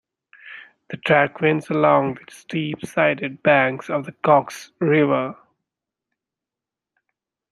The track winds along the steep-sided banks of the Coxs River.